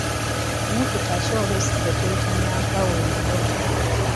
Ennyukuta ki oluusi zetuyita Nnampawengwa?